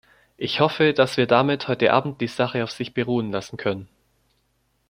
Ich hoffe, dass wir damit heute abend die Sache auf sich beruhen lassen können.